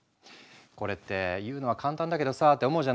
これって言うのは簡単だけどさって思うじゃない？